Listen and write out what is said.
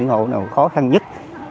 những hội nào khó khăn nhất